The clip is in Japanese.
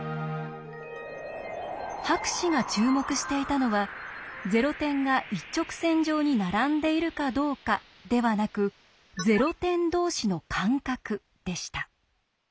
博士が注目していたのは「ゼロ点が一直線上に並んでいるかどうか」ではなく「ゼロ点同士の間隔」でした。